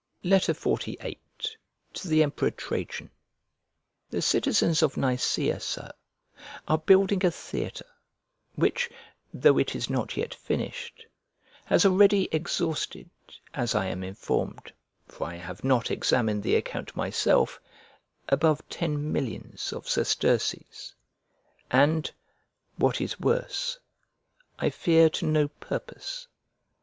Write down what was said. XLVIII To THE EMPEROR TRAJAN THE citizens of Nicea, Sir; are building a theatre, which, though it is not yet finished, has already exhausted, as I am informed (for I have not examined the account myself), above ten millions of sesterces; and, what is worse, I fear to no purpose.